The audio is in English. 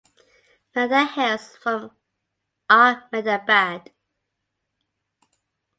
Nanda hails from Ahmedabad.